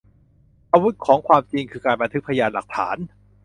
อาวุธของความจริงคือการบันทึกพยานหลักฐาน